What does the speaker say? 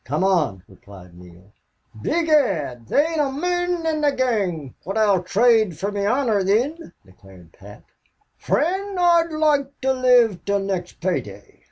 Come on," replied Neale. "Be gad! there ain't a mon in the gang phwat'll trade fer me honor, thin," declared Pat. "Fri'nd, I'd loike to live till next pay day."